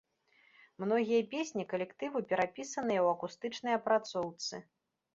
Многія песні калектыву перапісаныя ў акустычнай апрацоўцы.